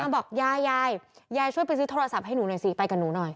บอกยายยายยายช่วยไปซื้อโทรศัพท์ให้หนูหน่อยสิไปกับหนูหน่อย